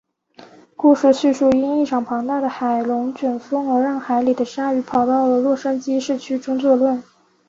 故事叙述因一场庞大的海龙卷风而让海里的鲨鱼跑到了洛杉矶市区中作乱。